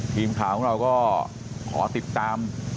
ทีมข่าวของเราก็ขอติดตาม